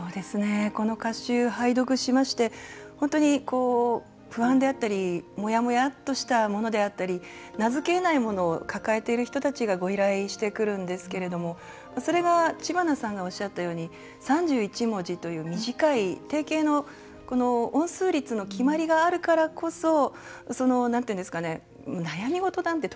この歌集、拝読しまして本当に不安であったりもやもやっとしたものであったり名付けえないものを抱えている人たちがご依頼してくるんですけれどもそれが、知花さんがおっしゃったように３１文字という短い定型の音数律の決まりがあるからこそ悩み事なんて